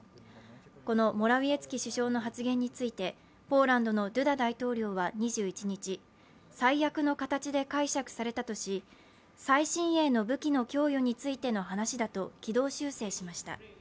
このモラウィエツキ首相の発言についてポーランドのドゥダ大統領は２１日最悪の形で解釈されたとし最新鋭の武器の供与についての話だと軌道修正しました。